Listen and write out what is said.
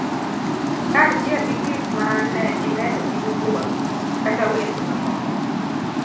kaachiel gi gik ma ne ineno in iwuon kata weche mamoko